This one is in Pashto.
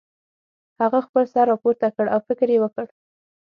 هغه خپل سر راپورته کړ او فکر یې وکړ